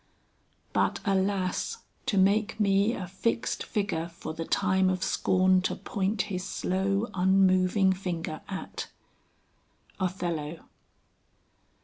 "But alas! to make me A fixed figure for the time of scorn To point his slow unmoving finger at!" OTHELLO.